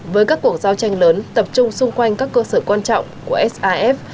với các cuộc giao tranh lớn tập trung xung quanh các cơ sở quan trọng của saf